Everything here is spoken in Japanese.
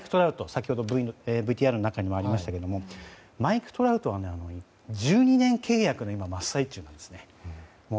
先ほど、ＶＴＲにもありましたけどもマイク・トラウトは１２年契約の真っ最中なんです。